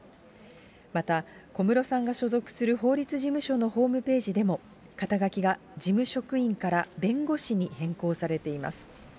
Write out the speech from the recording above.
また、小室さんが所属する法律事務所のホームページでも、肩書が事務職員から弁護士に変更されています。